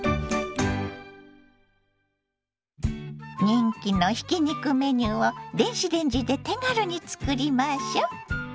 人気のひき肉メニューを電子レンジで手軽に作りましょ。